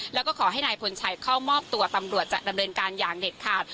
แล้วก็ขอให้นายพลชัยเข้ามอบตัวตำรวจจะดำเนินการอย่างเด็ดขาด